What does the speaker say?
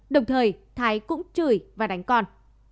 đồng thời thái cũng chửi và đánh con